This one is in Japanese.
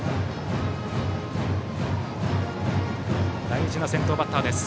大事な先頭バッターです。